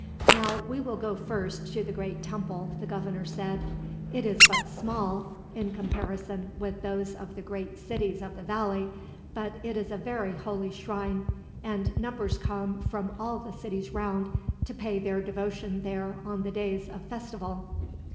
"Now, we will go first to the Great Temple," the governor said. "It is but small in comparison with those of the great cities of the valley, but it is a very holy shrine; and numbers come, from all the cities round, to pay their devotion there on the days of festival.